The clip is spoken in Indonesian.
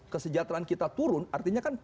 kesejahteraan kita turun artinya kan